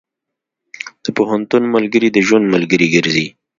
د پوهنتون ملګري د ژوند ملګري ګرځي.